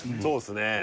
そうですね。